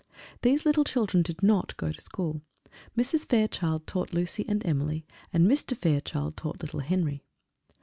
These little children did not go to school: Mrs. Fairchild taught Lucy and Emily, and Mr. Fairchild taught little Henry.